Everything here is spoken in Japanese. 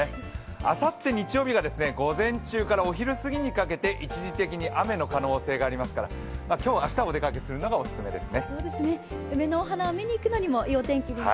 あさって日曜日が午前中からお昼過ぎにかけて一時的に雨の可能性がありますから今日、明日、お出かけするのがオススメですね。